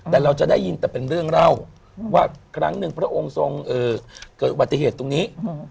แต่เราจะได้ยินแต่เป็นเรื่องเล่าว่าครั้งหนึ่งพระองค์ทรงเกิดอุบัติเหตุตรงนี้